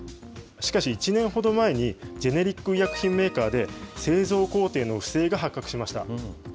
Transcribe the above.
しかし、１年ほど前に、ジェネリック医薬品メーカーで製造工程の不正が発覚しました。